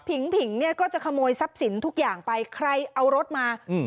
ผิงเนี้ยก็จะขโมยทรัพย์สินทุกอย่างไปใครเอารถมาอืม